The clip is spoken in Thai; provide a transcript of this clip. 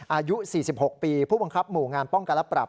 อายุ๔๖ปีผู้บังคับหมู่งานป้องกันและปรับ